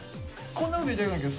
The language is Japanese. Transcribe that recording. こんなこと言いたくないけど